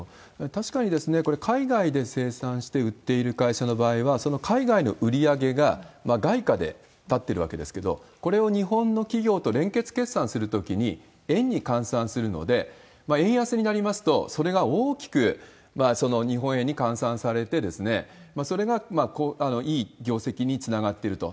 確かにこれ、海外で生産して売っている会社の場合は、その海外の売り上げが外貨で建ってるわけですけど、これを日本の企業と連結決算するときに円に換算するので、円安になりますと、それが大きく日本円に換算されて、それがいい業績につながってると。